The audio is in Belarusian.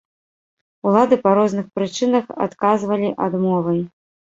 Улады па розных прычынах адказвалі адмовай.